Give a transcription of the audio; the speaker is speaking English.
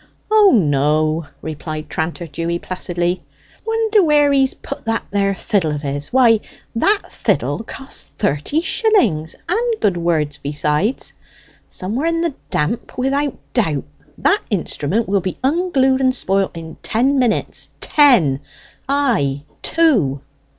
"O no," replied tranter Dewy placidly. "Wonder where he's put that there fiddle of his. Why that fiddle cost thirty shillings, and good words besides. Somewhere in the damp, without doubt; that instrument will be unglued and spoilt in ten minutes ten! ay, two."